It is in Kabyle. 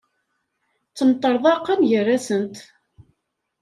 Ttemṭerḍaqen gar-asent.